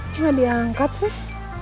cuma diangkat sih